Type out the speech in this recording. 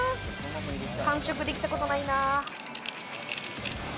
完食できたことないな。